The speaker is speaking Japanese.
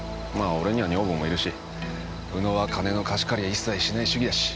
俺には女房もいるし宇野は金の貸し借り一切しない主義だし。